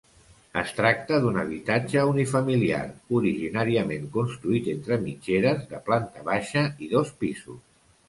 Es tracta d'un habitatge unifamiliar, originàriament construït entre mitgeres, de planta baixa i dos pisos.